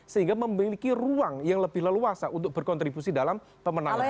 sehingga memiliki ruang yang lebih leluasa untuk berkontribusi dalam pemenangan